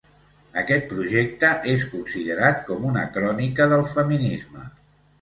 Aquest projecte és considerat com una crònica del feminisme.